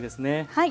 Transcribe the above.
はい。